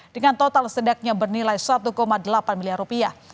dengan total sedaknya bernilai satu delapan miliar rupiah